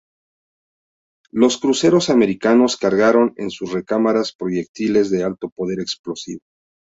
Los cruceros americanos cargaron en sus recámaras proyectiles de alto poder explosivo.